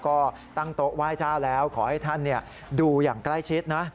ก็ตั้งโต๊ะไหว้เจ้าแล้วขอให้ท่านดูอย่างใกล้ชิดนะ